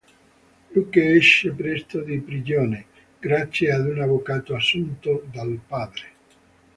Luke esce presto di prigione, grazie ad un avvocato assunto dal padre.